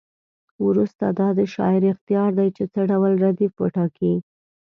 وروسته دا د شاعر اختیار دی چې څه ډول ردیف وټاکي.